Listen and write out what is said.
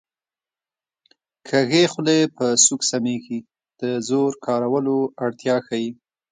کږې خولې په سوک سمېږي د زور کارولو اړتیا ښيي